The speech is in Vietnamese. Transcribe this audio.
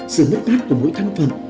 sự mất mát của mỗi thang phận